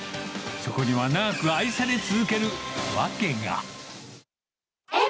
そこには長く愛され続ける訳が。